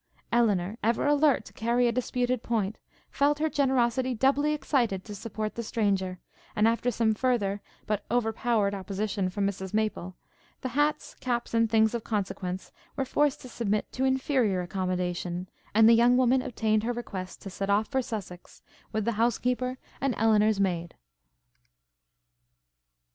Elinor, ever alert to carry a disputed point, felt her generosity doubly excited to support the stranger; and, after some further, but overpowered opposition from Mrs Maple, the hats, caps, and things of consequence were forced to submit to inferior accommodation, and the young woman obtained her request, to set off for Sussex, with the housekeeper and Elinor's maid.